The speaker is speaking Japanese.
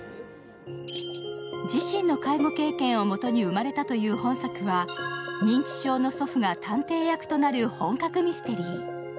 自身の介護経験をもとに生まれたという本作は認知症の祖父が探偵役となる本格ミステリー。